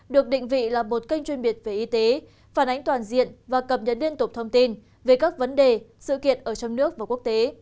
được định vị là một kênh chuyên biệt về y tế phản ánh toàn diện và cập nhật liên tục thông tin về các vấn đề sự kiện ở trong nước và quốc tế